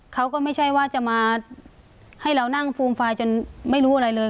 เขาก็ไม่ใช่ว่าจะมาให้เรานั่งฟูมฟายจนไม่รู้อะไรเลย